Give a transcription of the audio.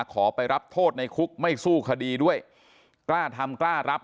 ขอไปรับโทษในคุกไม่สู้คดีด้วยกล้าทำกล้ารับ